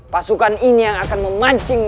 pasukan ini yang akan memancing